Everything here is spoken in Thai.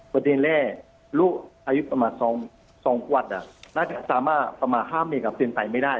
ประเด็นแรกลูกอายุประมาณ๒กวดน่าจะสามารถประมาณ๕เมตรเป็นไปไม่ได้